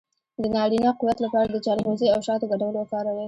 د نارینه قوت لپاره د چلغوزي او شاتو ګډول وکاروئ